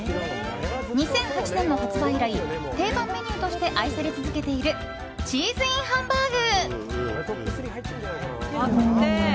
２００８年の発売以来定番メニューとして愛され続けているチーズＩＮハンバーグ！